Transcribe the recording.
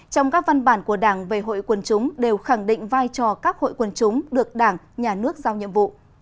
trong các văn bản của đảng về hội quần chúng đều khẳng định vai trò các hội quần chúng được đảng nhà nước giao nhiệm vụ